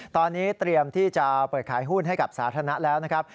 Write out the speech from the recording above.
ตอนนี้เตรียมที่จะเปิดขายหุ้นให้กับสาธารณะแล้วนะครับ